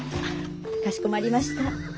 ・かしこまりました。